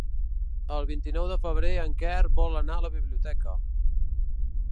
El vint-i-nou de febrer en Quer vol anar a la biblioteca.